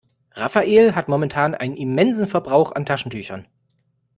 Rafael hat momentan einen immensen Verbrauch an Taschentüchern.